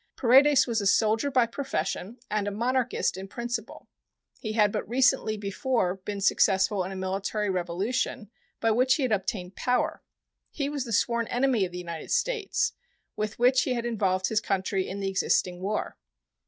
Paredes was a soldier by profession and a monarchist in principle. He had but recently before been successful in a military revolution, by which he had obtained power. He was the sworn enemy of the United States, with which he had involved his country in the existing war.